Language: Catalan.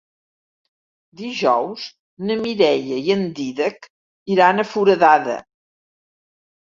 Dijous na Mireia i en Dídac iran a Foradada.